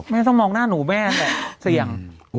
ต้องมองหน้าหนูแม่แหละเสี่ยง